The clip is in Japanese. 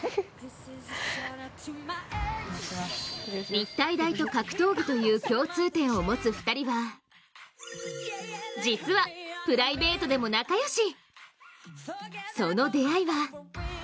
日体大と格闘技という共通点を持つ２人は、実はプライベートでも仲よし。